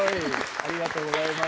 ありがとうございます。